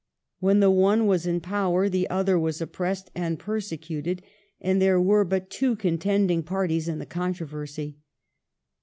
When the one was in power the other was oppressed and persecuted, and there were but two contending parties in the controversy.